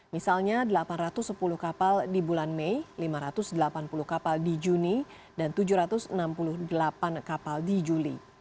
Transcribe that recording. misalnya delapan ratus sepuluh kapal di bulan mei lima ratus delapan puluh kapal di juni dan tujuh ratus enam puluh delapan kapal di juli